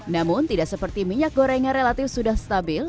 namun tidak seperti minyak goreng yang relatif sudah stabil